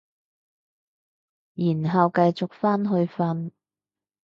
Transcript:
然後繼續返去瞓